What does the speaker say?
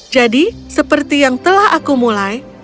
jadi seperti yang telah aku mulai